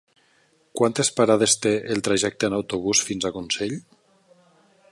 Quantes parades té el trajecte en autobús fins a Consell?